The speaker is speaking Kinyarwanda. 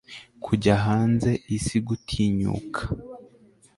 kujya hanze, isi gutinyuka